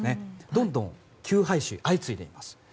どんどん休廃止が相次いでいます。